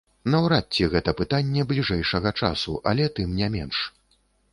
Наўрад ці гэта пытанне бліжэйшага часу, але тым не менш.